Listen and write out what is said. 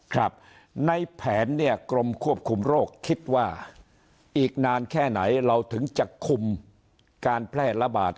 ครับในแผนเนี่ยกรมควบคุมโรคคิดว่าอีกนานแค่ไหนเราถึงจะคุมการแพร่ระบาด